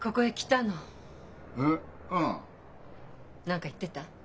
何か言ってた？